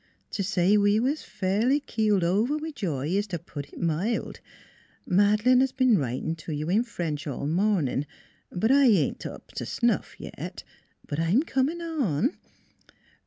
To say we was fairly keeled over with joy is to put it mild. Madeleine has been writing to you in French all morning, but I ain't up to snuff yet. But I'm coming on.